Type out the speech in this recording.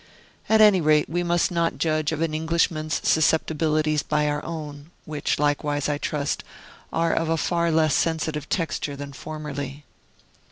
At any rate, we must not judge of an Englishman's susceptibilities by our own, which, likewise, I trust, are of a far less sensitive texture than formerly.